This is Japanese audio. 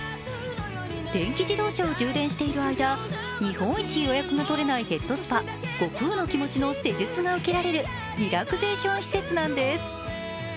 電気自動車を充電している間、日本一予約のとれないヘッドスパ、悟空のきもちの施術が受けられるリラクゼーション施設なんです。